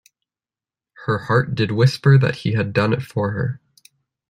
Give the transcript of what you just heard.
Her heart did whisper that he had done it for her.